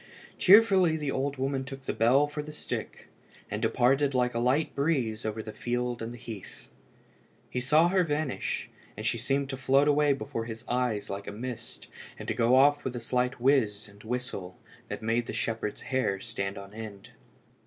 Cheerfully the old woman took the bell for the stick, and departed like a light breeze over the field and the heath. He saw her vanish, and she seemed to float away before his eyes like a mist, and to go off with a slight whiz and whistle that made the shepherd's hair stand on end.